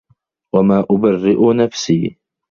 وما أبرئ نفسي